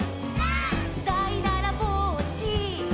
「」「だいだらぼっち」「」